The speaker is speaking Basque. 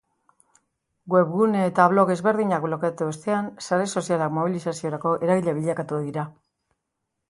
Webgune eta blog ezberdinak blokeatu ostean, sare sozialak mobilizaziorako eragile bilakatu dira.